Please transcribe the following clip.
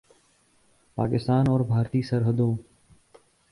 پاکستان اور بھارتی سرحدوں